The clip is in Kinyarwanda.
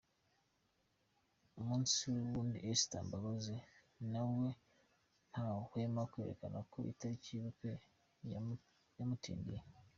Umunsi ku wundi Esther Mbabazi na we ntahwema kwerekana ko itariki y’ubukwe yamutindiye.